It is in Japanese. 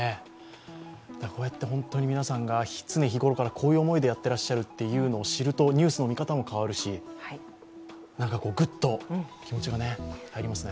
こうやって、皆さんが常日頃からこういう思いでやってるというのを知るとニュースの見方も変わるし、何かぐっと気持ちがね、入りますね。